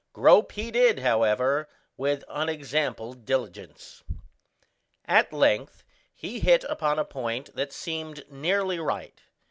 Grope he did, however, with unexampled diligence. At length he hit upon a point that seemed nearly right.